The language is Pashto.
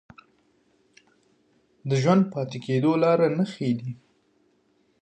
د ژوندي پاتې کېدو لاره نه ښييلې